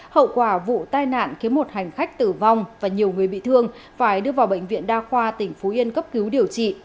hậu quả vụ tai nạn khiến một hành khách tử vong và nhiều người bị thương phải đưa vào bệnh viện đa khoa tỉnh phú yên cấp cứu điều trị